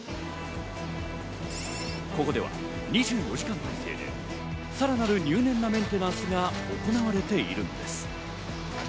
ここでは２４時間体制でさらなる入念なメンテナンスが行われているのです。